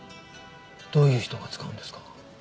どういう人が使うんですか？